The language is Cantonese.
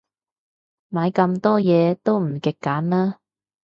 買咁多嘢，都唔極簡啦